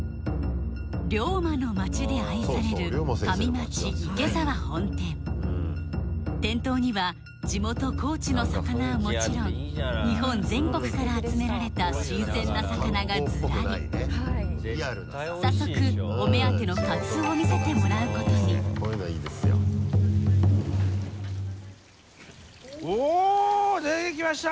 龍馬の町で愛される店頭には地元高知の魚はもちろん日本全国から集められた新鮮な魚がずらり早速お目当てのカツオを見せてもらうことにおっ出てきました！